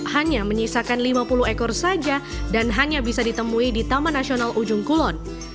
hanya menyisakan lima puluh ekor saja dan hanya bisa ditemui di taman nasional ujung kulon